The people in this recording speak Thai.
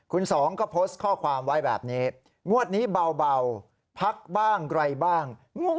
คุณสองก็โพสต์ข้อความไว้แบบนี้งวดนี้เบาพักบ้างไกลบ้าง